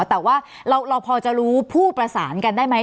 แต่ว่าเราพอจะรู้ผู้ประสานกันได้ไหม